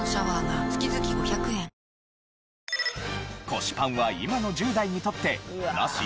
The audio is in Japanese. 腰パンは今の１０代にとってナシ？